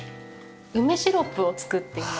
梅シロップを作っています。